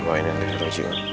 bawain yang di purworejo